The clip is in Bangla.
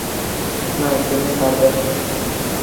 না, তুমি পারবে না।